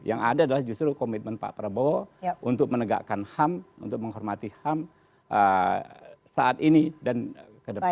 yang ada adalah justru komitmen pak prabowo untuk menegakkan ham untuk menghormati ham saat ini dan ke depan